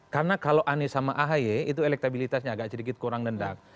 karena kalau anies sama ahy itu elektabilitasnya agak sedikit kurang dendam